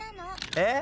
えっ⁉